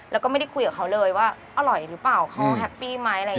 แล้วก็ไม่ได้คุยกับเขาเลยว่าอร่อยหรือเปล่าเขาแฮปปี้ไหมอะไรอย่างนี้